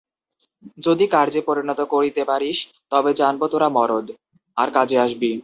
যদি কার্যে পরিণত করিতে পারিস তবে জানব তোরা মরদ, আর কাজে আসবি।